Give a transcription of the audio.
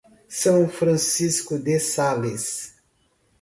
São Francisco de Sales